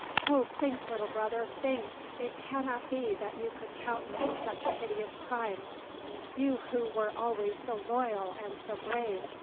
"Oh think, little brother, think! It cannot be that you could countenance such a hideous crime, you who were always so loyal and so brave!